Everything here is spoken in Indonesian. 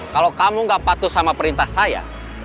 kalau kamu gak patuh sama perintah saya